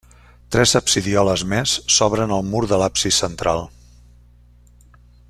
Tres absidioles més s'obren al mur de l'absis central.